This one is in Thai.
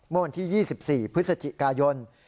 เมื่อวันที่๒๔พฤศจิกายน